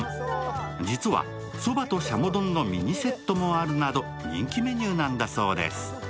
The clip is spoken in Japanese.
実はそばと軍鶏丼のミニセットもあるなど、人気メニューなんだそうです。